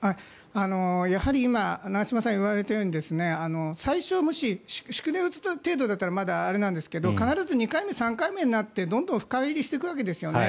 やはり今、長嶋さんが言われたように最初祝電を打つ程度ならまだあれなんですけど必ず２回目、３回目になってどんどん深入りしていくわけですよね。